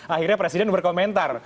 akhirnya presiden berkomentar